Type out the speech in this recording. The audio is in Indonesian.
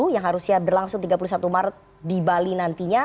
yang harusnya berlangsung tiga puluh satu maret di bali nantinya